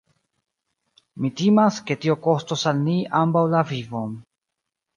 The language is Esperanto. Mi timas, ke tio kostos al ni ambaŭ la vivon.